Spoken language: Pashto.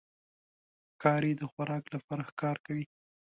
ښکاري د خوراک لپاره ښکار کوي.